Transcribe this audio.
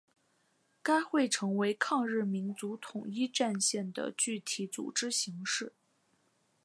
该会成为抗日民族统一战线的具体组织形式。